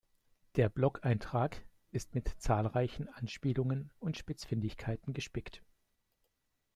Der Blogeintrag ist mit zahlreichen Anspielungen und Spitzfindigkeiten gespickt.